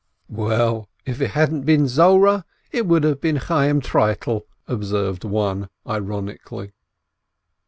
"Well, if it hadn't been Zorah, it would have been Chayyim Treitel," observed some one, ironically.